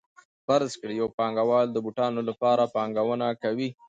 فرض کړئ یو پانګوال د بوټانو لپاره پانګونه کوي